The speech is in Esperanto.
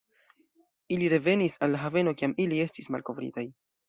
Ili revenis al la haveno kiam ili estis malkovritaj.